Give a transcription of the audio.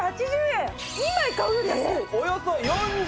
２枚買うより安い。